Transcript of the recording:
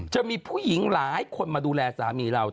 จะมีผู้หญิงหลายคนมาดูแลสามีเรา